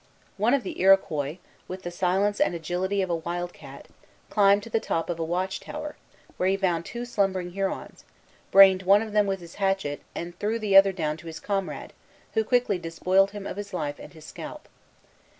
One of the Iroquois, with the silence and agility of a wild cat, climbed to the top of a watch tower, where he found two slumbering Hurons, brained one of them with his hatchet, and threw the other down to his comrade, who quickly despoiled him of his life and his scalp.